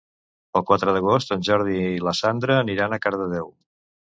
El quatre d'agost en Jordi i la Sandra aniran a Cardedeu